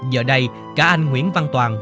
giờ đây cả anh nguyễn văn toàn